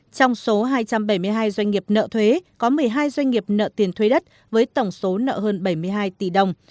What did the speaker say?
trong số hai trăm bảy mươi hai doanh nghiệp nợ thuế có một mươi hai doanh nghiệp nợ tiền thuế đất với tổng số nợ hơn bảy mươi hai tỷ đồng